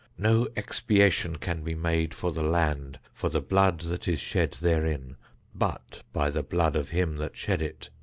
No expiation can be made for the land for the blood that is shed therein, but by the blood of him that shed it.